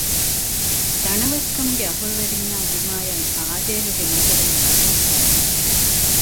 ތަނަވަސްކަމުގެ އަހްލުވެރީންނާ ދިމާޔަށް އާދޭހުގެ ނަޒަރުން ބަލަހައްޓައިގެން